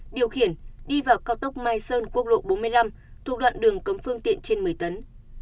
điều khiển đi vào cao tốc mai sơn quốc lộ bốn mươi năm thuộc đoạn đường cấm phương tiện trên một mươi tấn